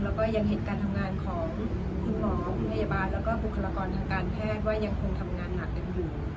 แล้วก็ยังเห็นการทำงานของคุณหมอพยาบาลแล้วก็บุคลากรทางการแพทย์ว่ายังคงทำงานหนักกันอยู่